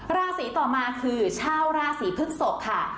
ราศีต่อมาคือชาวราศีพฤกษกค่ะ